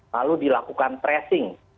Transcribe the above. lalu dilakukan tracing